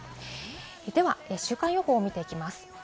では週間予報を見ていきます。